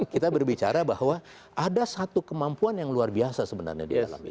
kita berbicara bahwa ada satu kemampuan yang luar biasa sebenarnya